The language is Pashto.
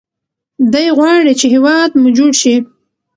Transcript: دی غواړي چې هیواد مو جوړ شي.